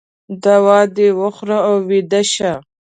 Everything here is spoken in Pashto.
دوا د وخوره او ویده شه